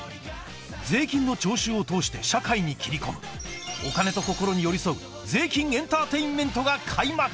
税金の徴収を通して社会に切り込むお金と心に寄り添う税金エンターテインメントが開幕